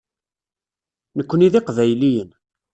Nekkni d iqbayliyen.